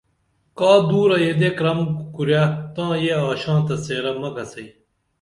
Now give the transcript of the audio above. کا دُرہ یدے کرم کُرے تاں یہ آشانتہ څیرہ مہ کڅئی